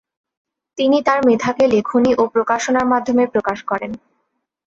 তিনি তার মেধাকে লেখনী ও প্রকাশনার মাধ্যমে প্রকাশ করেন।